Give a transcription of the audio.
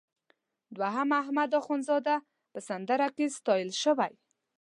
دوهم احمد اخوندزاده په سندره کې ستایل شوی.